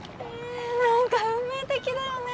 え何か運命的だよね。